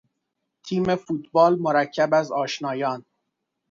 تیم فوتبال مرکب از آشنایان